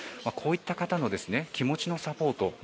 こういった方の気持ちのサポート